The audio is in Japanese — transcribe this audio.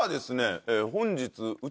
本日。